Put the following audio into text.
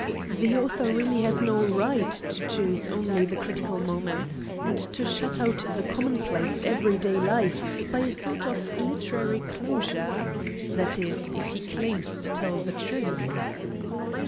The author really has no right to choose only the critical moments, and to shut out the commonplace, every day life by a sort of literary closure. That is, if he claims to tell the truth."